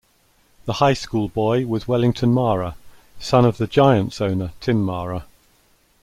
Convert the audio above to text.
The high school boy was Wellington Mara, son of the Giants owner Tim Mara.